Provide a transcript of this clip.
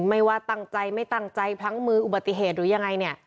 ไม่ว่าตั้งใจไม่ตั้งใจพลั้งมืออุบัติเหตุหรือยังไงเนี่ย